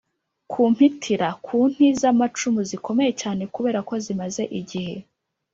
. Ku mpitira: Ku nti z’amacumu zikomeye cyane kubera ko zimaze igihe,